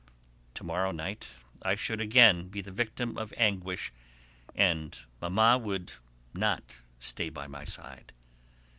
To morrow night I should again be the victim of anguish and Mamma would not stay by my side.